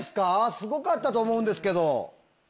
すごかったと思うんですけど。